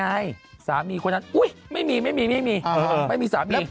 เมียก็ไม่รู้ถึงเนยมีสามารถมีผัวเนี่ย